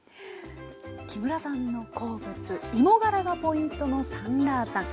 木村さんの好物芋がらがポイントのサンラータン。